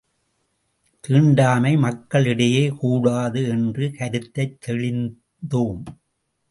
தீண்டாமை மக்கள் இடையே கூடாது, என்று கருத்தைத் தெளிந்தோம்.